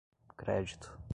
crédito